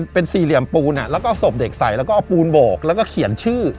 เป็นสี่เหลี่ยมปูนแล้วก็ศพเด็กใส่แล้วก็เอาปูนโบกแล้วก็เขียนชื่อ